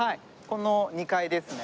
この２階ですね。